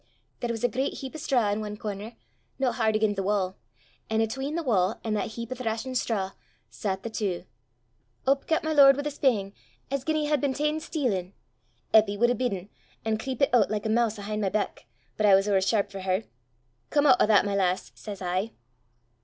"There was a great heap o' strae in ae corner, no hard again' the wa'; an' 'atween the wa' an' that heap o' thrashen strae, sat the twa. Up gat my lord wi' a spang, as gien he had been ta'en stealin'. Eppy wud hae bidden, an' creepit oot like a moose 'ahint my back, but I was ower sharp for her: 'Come oot o' that, my lass,' says I.